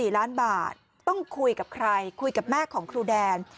๔ล้านบาทต้องคุยกับใครคุยกับแม่ของครูแดน